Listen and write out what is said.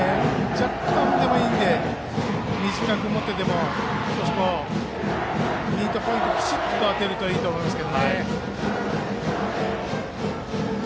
若干でもいいので短く持ってでも少しミートポイントをきちんと充てるといいと思います。